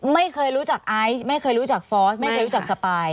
ไม่เคยรู้จักไอซ์ไม่เคยรู้จักฟอร์สไม่เคยรู้จักสปาย